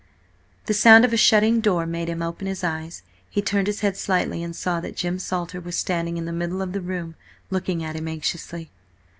The sound of a shutting door made him open his eyes; he turned his head slightly and saw that Jim Salter was standing in the middle of the room looking at him anxiously.